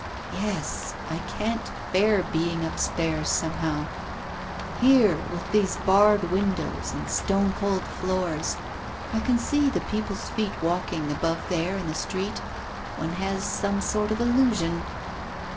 "Yes, I can't bear being upstairs, somehow. Here, with these barred windows and stone cold floors ... I can see the people's feet walking above there in the street ... one has some sort of illusion.